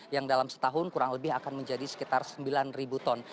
yang dalam setahun kurang lebih akan menjadi sekitar sembilan ribu ton